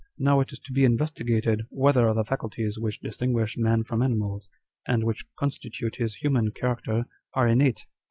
Now it is to be investigated, whether the faculties which distinguish man from animals, and which constitute his human character, are innate.